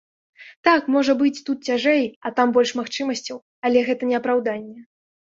Так, можа быць, тут цяжэй, а там больш магчымасцяў, але гэта не апраўданне!